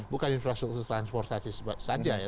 bukan infrastruktur transportasi saja ya